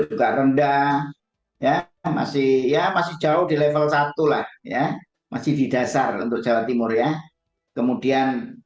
juga rendah ya masih ya masih jauh di level satu lah ya masih di dasar untuk jawa timur ya kemudian